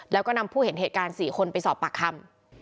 แล้วก็นำผู้เห็นเหตุการณ์๔คนไปสอบปากคำ